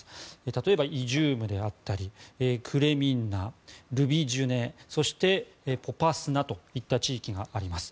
例えばイジュームであったりクレミンナルビージュネそしてポパスナといった地域があります。